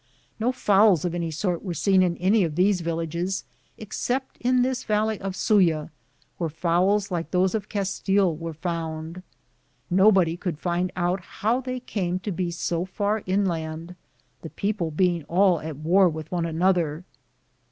1 No fowls of any sort were seen in any of these villages except in this valley of Suya, where fowls like those of Castile were found. Nobody could find out how they came to be so far inland, the peo ple being all at war with one another.